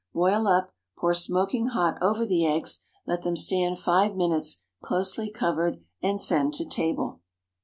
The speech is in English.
Boil up; pour smoking hot over the eggs, let them stand five minutes, closely covered, and send to table.